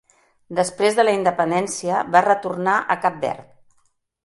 Després de la independència va retornar a cap Verd.